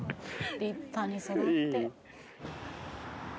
立派に育って。